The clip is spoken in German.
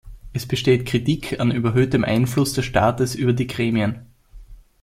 Es besteht Kritik an überhöhtem Einfluss des Staates über die Gremien.